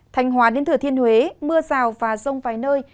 thành hóa đến thửa thiên huế mưa rào và rông vài nơi